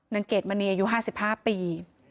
เกรดมณีอายุ๕๕ปี